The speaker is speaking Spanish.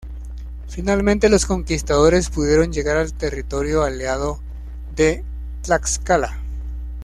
Finalmente los conquistadores pudieron llegar al territorio aliado de Tlaxcala.